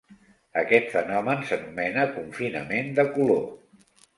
Aquest fenomen s'anomena confinament de color.